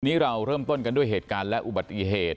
เราเริ่มต้นกันด้วยเหตุการณ์และอุบัติเหตุ